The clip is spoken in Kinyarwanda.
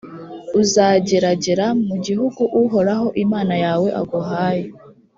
uzageragera mu gihugu uhoraho imana yawe aguhaye,